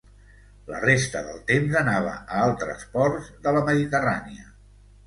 La resta del temps anava a altres ports de la Mediterrània.